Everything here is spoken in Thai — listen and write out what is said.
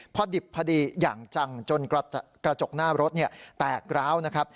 พอดิบพอดีอย่างจังจนกระจกหน้ารถแตกร้าวนะครับ